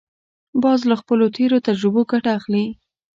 باز له خپلو تېرو تجربو ګټه اخلي